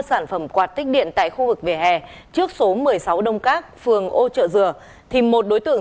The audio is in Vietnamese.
sản phẩm quạt tích điện tại khu vực vỉa hè trước số một mươi sáu đông các phường ô trợ dừa thì một đối tượng